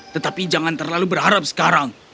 tetapi jangan terlalu berharap sekarang